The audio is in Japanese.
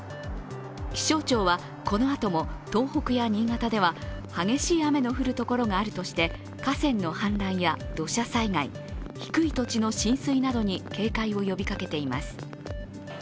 気象庁は、このあとも東北や新潟では、激しい雨の降るところがあるとして、河川の氾濫や土砂災害、低い土地の浸水などに警戒を呼びかけています。